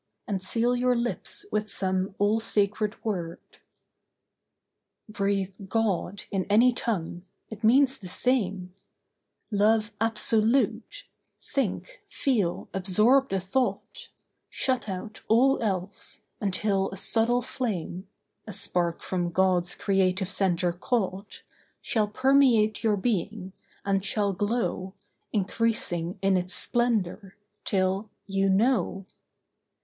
And seal your lips with some all sacred word. Breathe 'God,' in any tongue—it means the same; LOVE ABSOLUTE: Think, feel, absorb the thought; Shut out all else; until a subtle flame (A spark from God's creative centre caught) Shall permeate your being, and shall glow, Increasing in its splendour, till, YOU KNOW.